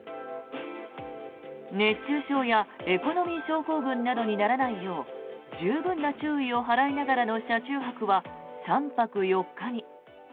熱中症やエコノミー症候群などにならないよう十分な注意を払いながらの車中泊は３泊４日に。